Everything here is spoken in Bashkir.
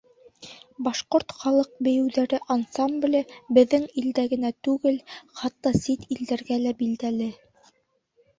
Башҡорт халыҡ бейеүҙәре ансамбле беҙҙең илдә генә түгел, хатта сит илдәргә лә билдәле.